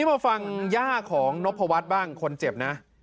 มาฟังย่าของนพวัฒน์บ้างคนเจ็บนะ